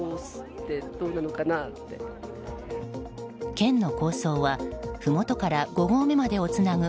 県の構想はふもとから５合目までをつなぐ